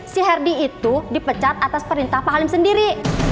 si herdi itu dipecat atas perintah pak halim sendiri